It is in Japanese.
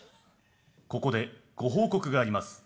ここでご報告があります。